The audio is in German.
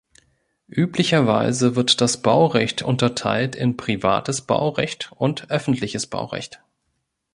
Üblicherweise wird das Baurecht unterteilt in privates Baurecht und öffentliches Baurecht.